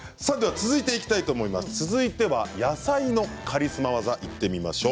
続いては野菜のカリスマ技いってみましょう。